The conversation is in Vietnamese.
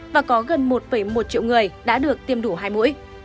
và có gần một một triệu người đã được tiêm đủ hai mũi